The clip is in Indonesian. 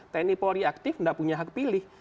tni polri aktif tidak punya hak pilih